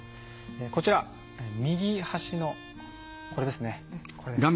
こちら右端のこれですねこれです。